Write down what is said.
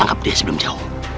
abdi sebelum jauh